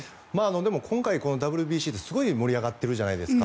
でも今回ＷＢＣってすごい盛り上がってるじゃないですか。